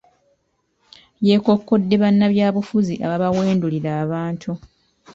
Yeekokkodde bannabyabufuzi ababawendulira abantu.